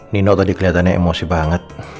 nino tadi kelihatannya emosi banget